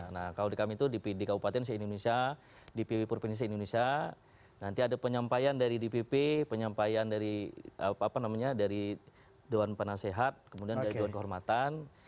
nah kalau di kami itu di pd kabupaten indonesia di pp provinsi indonesia nanti ada penyampaian dari dpp penyampaian dari apa namanya dari doan penasehat kemudian dari doan kehormatan